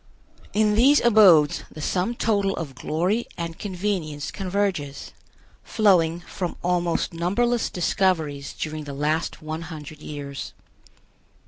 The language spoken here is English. In these abodes the sum total of glory and convenience converges, flowing from almost numberless discoveries during the last one hundred years.